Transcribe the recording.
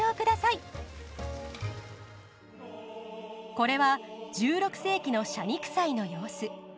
これは１６世紀の謝肉祭の様子。